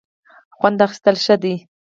خوند اخیستل ښه دی.